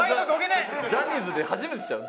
ジャニーズで初めてちゃう？